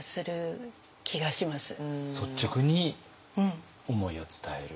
率直に思いを伝える。